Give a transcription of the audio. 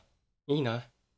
いいな。